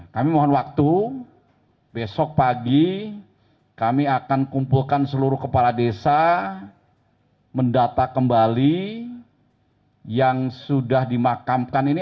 kami mohon waktu besok pagi kami akan kumpulkan seluruh kepala desa mendata kembali yang sudah dimakamkan ini